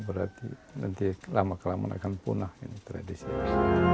berarti nanti lama kelamaan akan punah tradisi ini